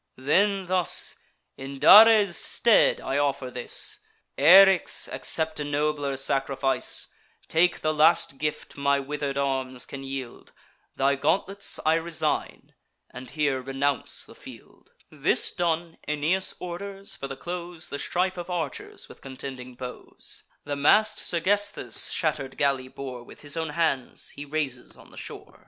Then, thus: "In Dares' stead I offer this. Eryx, accept a nobler sacrifice; Take the last gift my wither'd arms can yield: Thy gauntlets I resign, and here renounce the field." This done, Aeneas orders, for the close, The strife of archers with contending bows. The mast Sergesthus' shatter'd galley bore With his own hands he raises on the shore.